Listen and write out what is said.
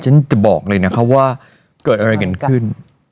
ฉันจะบอกเลยนะคะว่าเกิดอะไรกันขึ้น